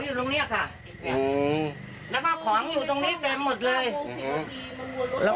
อยู่ตรงเนี่ยค่ะอืมแล้วก็ของอยู่ตรงนี้แบบหมดเลยอืมแล้ว